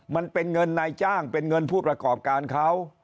มันเป็นเงินนายจ้างเป็นเงินผู้ประกอบการเขา